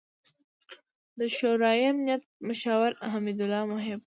، د شورای امنیت مشاور حمد الله محب